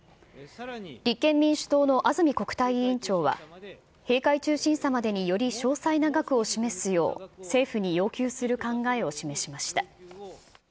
立憲民主党の安住国対委員長は、閉会中審査までにより詳細な額を示すよう、政府に要求する考えを示しました。